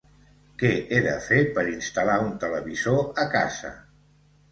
Què he de fer per instal·lar un televisor a casa?